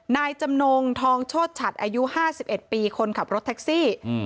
นายจำนงทองโชชัดอายุ๕๑ปีคนขับรถแท็กซี่